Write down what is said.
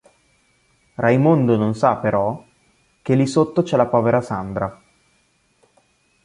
Raimondo non sa però, che lì sotto c'è la povera Sandra.